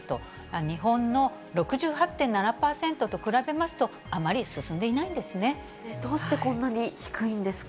日本の６８．７％と比べますと、どうしてこんなに低いんですか。